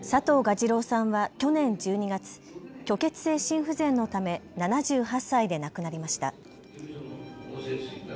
次郎さんは去年１２月、虚血性心不全のため７８歳で亡くなりました。